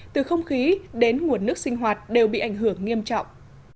từ không khí đến nguồn nước sinh hoạt đều bị ảnh hưởng nghiêm trọng